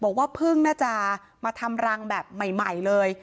บอกว่าเพิ่งน่าจะมาทำรังแบบใหม่เลย